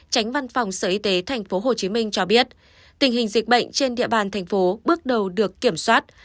tránh văn phòng sở y tế tp hcm cho biết tình hình dịch bệnh trên địa bàn thành phố bước đầu được kiểm soát